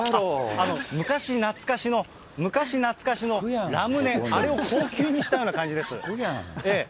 昔懐かしの、昔懐かしのラムネ、あれを高級にしたような感じです。